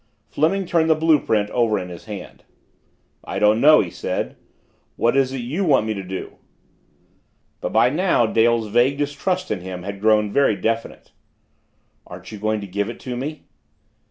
Fleming turned the blue print over in his hand. "I don't know," he said. "What is it you want me to do?" But by now Dale's vague distrust in him had grown very definite. "Aren't you going to give it to me?"